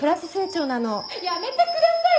やめてください！